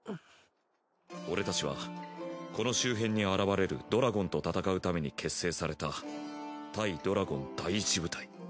俺たちはこの周辺に現れるドラゴンと戦うために結成された対ドラゴン第一部隊。